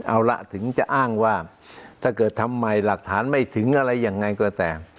เอาล่ะถึงจะอ้างว่าถ้าเกิดทำไมหลักฐานไม่ถึงอะไรยังไงก็ตาม